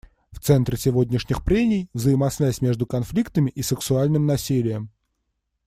В центре сегодняшних прений — взаимосвязь между конфликтами и сексуальным насилием.